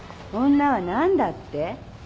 女は何だって？